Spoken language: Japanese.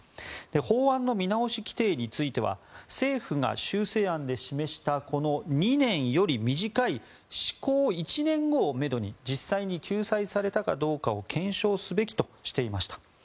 法案の見直し規定については政府が修正案で示したこの２年より短い施行１年後をめどに実際に救済されたかどうかを検証すべきとしていました。